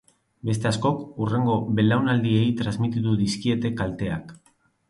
Beste askok hurrengo belaunaldiei transmititu dizkiete kalteak.